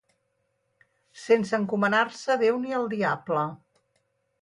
Sense encomanar-se a Déu ni al diable.